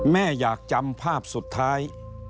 แม่อยากจำภาพสุดท้าย